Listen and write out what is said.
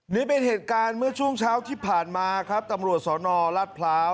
นี่เป็นเหตุการณ์เมื่อช่วงเช้าที่ผ่านมาครับตำรวจสนรัฐพร้าว